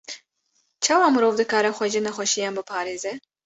Çawa mirov dikare xwe ji nexweşiyan biparêze?